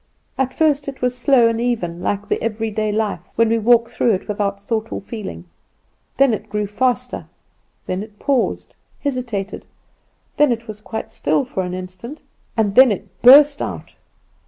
"At first it was slow and even, like the everyday life, when we walk through it without thought or feeling; then it grew faster, then it paused, hesitated, then it was quite still for an instant, and then it burst out.